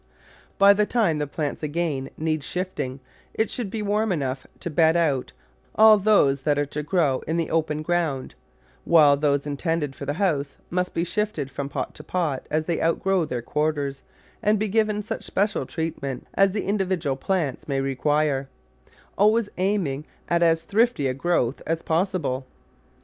By the time the plants again need shifting it should be warm enough to bed out all those that are to grow in the open ground, while those intended for the house must be shifted from pot to pot as they outgrow their quarters and be given such special treatment as the individual plants may require, al ways aiming at as thrifty a growth as possible.